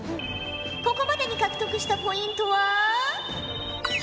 ここまでに獲得したポイントは。